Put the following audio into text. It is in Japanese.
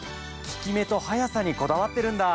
効き目と速さにこだわってるんだ。